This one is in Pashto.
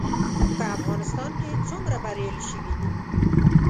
په افغانستان کې څومره بریالي شوي دي؟